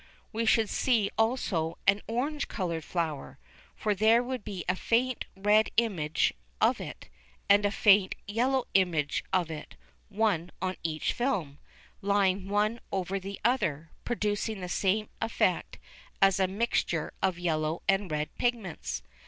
We should see also an orange coloured flower, for there would be a faint red image of it, and a faint yellow image of it, one on each film, lying one over the other, producing the same effect as a mixture of yellow and red pigments.